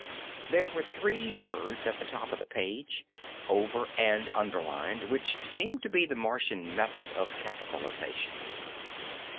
There were three words at the top of the page, over and underlined, which seemed to be the Martian method of capitalization.